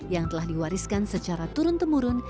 yang telah diwariskan secara turun temurun